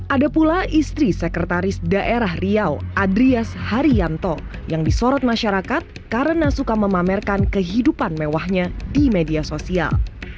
ada pula istri sekretaris daerah riau adrias haryanto yang disorot masyarakat karena suka memamerkan kehidupan mewahnya di media sosial